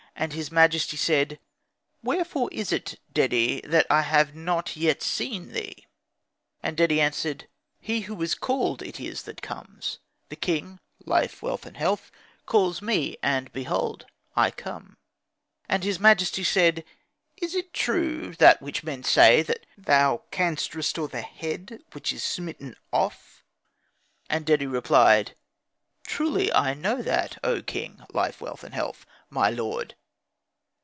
And his majesty said, "Wherefore is it, Dedi, that I have not yet seen thee?" And Dedi answered, "He who is called it is that comes; the king (life, wealth, and health) calls me, and behold I come," And his majesty said, "Is it true, that which men say, that thou canst restore the head which is smitten off?" And Dedi replied, "Truly, I know that, O king (life, wealth, and health), my lord."